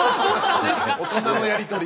大人のやり取り。